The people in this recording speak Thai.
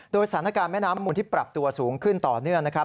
โดยสถานการณ์แม่น้ำมูลที่ปรับตัวสูงขึ้นต่อเนื่องนะครับ